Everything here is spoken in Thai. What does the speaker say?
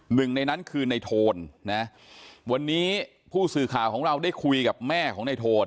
หนึ่งในนั้นคือในโทนนะวันนี้ผู้สื่อข่าวของเราได้คุยกับแม่ของในโทน